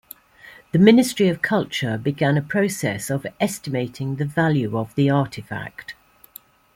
The Ministry of Culture began a process of estimating the value of the artefact.